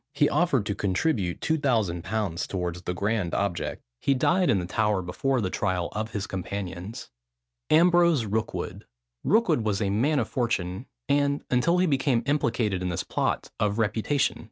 He offered to contribute 2000_l._ towards the grand object. He died in the Tower before the trial of his companions. AMBROSE ROOKWOOD. Rookwood was a man of fortune, and, until he became implicated in this plot, of reputation.